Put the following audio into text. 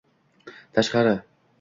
tashqari…